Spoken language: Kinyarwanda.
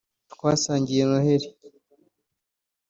twasangiye noheli